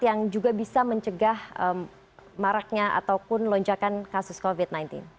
yang juga bisa mencegah maraknya ataupun lonjakan kasus covid sembilan belas